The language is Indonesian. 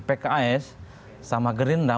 pks sama gerindra